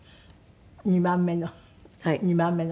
２番目の２番目の方。